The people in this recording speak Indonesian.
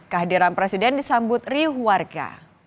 kehadiran presiden disambut riuh warga